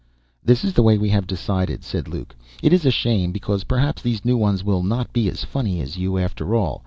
"This is the way we have decided," said Luke. "It is a shame, because perhaps these new ones will not be as funny as you, after all.